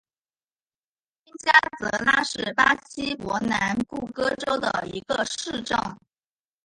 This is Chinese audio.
因加泽拉是巴西伯南布哥州的一个市镇。